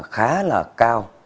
khá là cao